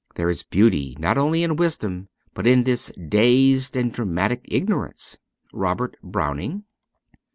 There is beauty, not only in wisdom, but in this dazed and dramatic ignorance. ' Robert Browning.'